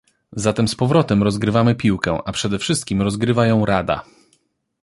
Zatem z powrotem rozgrywamy piłkę, a przede wszystkim rozgrywa ją Rada